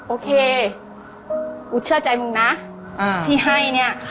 โอเคกูเชื่อใจตัวตัวมึงที่ให้